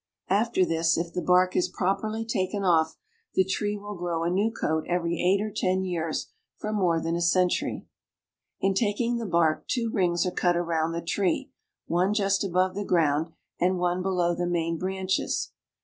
After this, if the bark is properly taken off, the tree will grow a new coat every eight or ten years for more than a century. In taking the bark, two rings are cut around the tree, one just above the ground, and one below the main branches.